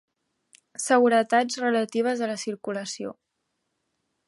Seguretats relatives a la circulació.